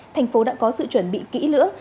thành phố đã có sự chuẩn bị kỹ lưỡng